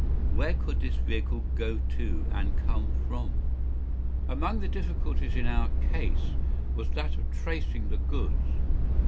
Where could this vehicle go to and come from? Among the difficulties in our case was that of tracing the goods.